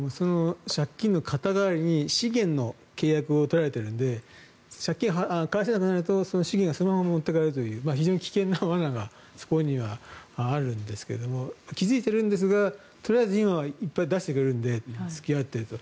借金の肩代わりに資源の契約を取られているので借金を返せなくなるとその資源がそのまま持っていかれるという非常に危険な罠がそこにはあるんですけれども気付いているんですがとりあえず今はいっぱい出してくれるので付き合っていると。